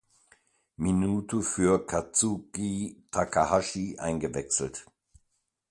Minute für Kazuki Takahashi eingewechselt.